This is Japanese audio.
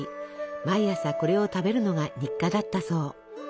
毎朝これを食べるのが日課だったそう。